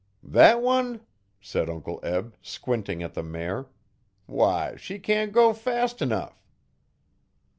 'Thet one,' said Uncle Eb, squinting at the mare, 'why she can't go fast 'nough.'